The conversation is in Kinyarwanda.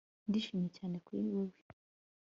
Ndishimye cyane kuri wewe